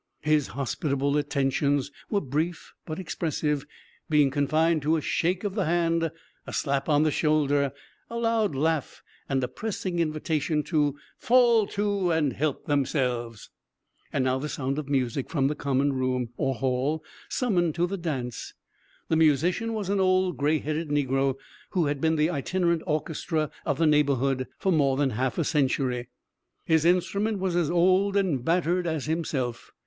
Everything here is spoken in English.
His hospitable attentions were brief, but expressive, being confined to a shake of the hand, a slap on the shoulder, a loud laugh, and a pressing invitation to "fall to and help themselves." And now the sound of the music from the common room, or hall, summoned to the dance. The musician was an old gray headed negro, who had been the itinerant orchestra of the neighborhood for more than half a century. His instrument was as old and battered as himself.